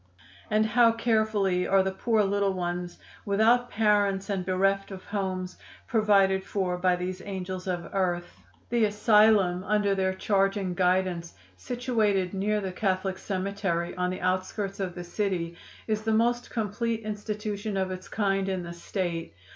And how carefully are the poor little ones, without parents and bereft of homes, provided for by these angels of earth! "The asylum under their charge and guidance, situated near the Catholic Cemetery, on the outskirts of the city, is the most complete institution of its kind in the State.